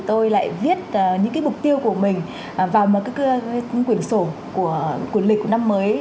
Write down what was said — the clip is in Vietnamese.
tôi lại viết những mục tiêu của mình vào những quyển sổ của lịch năm mới